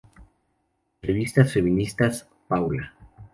Revistas femeninas: Paula.